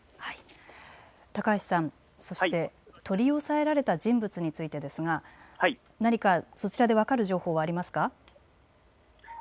高橋さん、そして取り押さえられた人物についてですが、何かそちらで分かる情報はありますか。